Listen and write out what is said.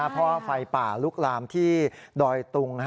เพราะว่าไฟป่าลุกลามที่ดอยตุง